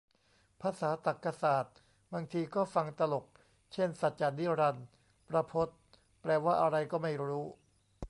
ภาษาตรรกศาสตร์บางทีก็ฟังตลก เช่นสัจนิรันดร์ ประพจน์ แปลว่าอะไรก็ไม่รู้